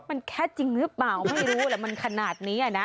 มันแค่จริงหรือเปล่าไม่รู้แหละมันขนาดนี้นะ